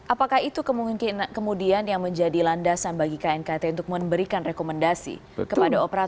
apakah itu kemudian yang menjadi landasan bagi knkt untuk memberikan rekomendasi kepada operator